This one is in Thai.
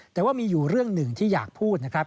แต่ว่ามีอยู่เรื่องหนึ่งที่อยากพูดนะครับ